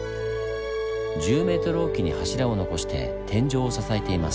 １０ｍ置きに柱を残して天井を支えています。